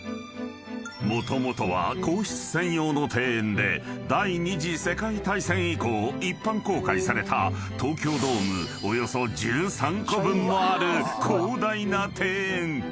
［もともとは皇室専用の庭園で第二次世界大戦以降一般公開された東京ドームおよそ１３個分もある広大な庭園］